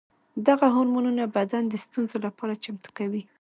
دغه هورمونونه بدن د ستونزو لپاره چمتو کوي.